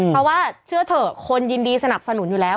เพราะว่าเชื่อเถอะคนยินดีสนับสนุนอยู่แล้ว